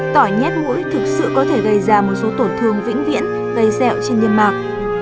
tỏi nhét mũi thực sự có thể gây ra một số tổn thương vĩnh viễn gây dẹo trên liên mạc